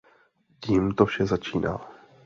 Tím to vše začíná.